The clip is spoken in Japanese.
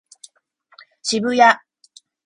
渋谷